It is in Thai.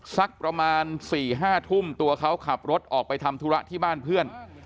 สักประมาณ๔๕ทุ่มตัวเขาขับรถออกไปทำธุระที่บ้านเพื่อน